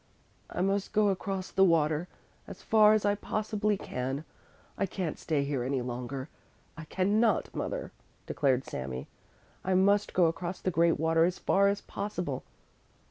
"I must go across the water, as far as I possibly can, I can't stay here any longer. I cannot, mother," declared Sami. "I must go across the great water as far as possible!"